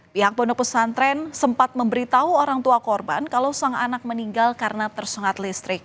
pihak pondok pesantren sempat memberitahu orang tua korban kalau sang anak meninggal karena tersengat listrik